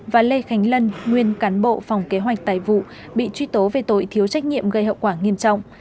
và lê khánh lân nguyên cán bộ phòng kế hoạch tài vụ bị truy tố về tội thiếu trách nhiệm gây hậu quả nghiêm trọng